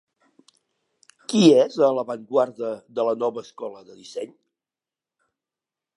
Qui és a l'avantguarda de la nova escola de disseny?